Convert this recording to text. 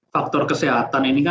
faktor kesehatan ini maka